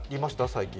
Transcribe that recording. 最近。